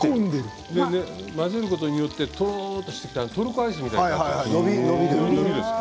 混ぜることによってとろっとしてトルコアイスみたいになるんです。